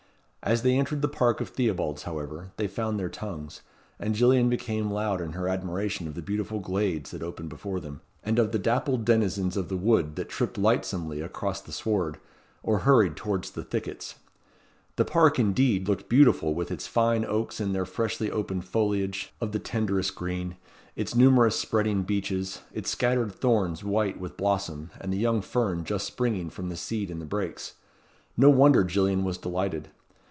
As they entered the park of Theobalds, however, they found their tongues, and Gillian became loud in her admiration of the beautiful glades that opened before them, and of the dappled denizens of the wood that tripped lightsomely across the sward, or hurried towards the thickets. The park, indeed, looked beautiful with its fine oaks in their freshly opened foliage of the tenderest green, its numerous spreading beeches, its scattered thorns white with blossom, and the young fern just springing from the seed in the brakes. No wonder Gillian was delighted.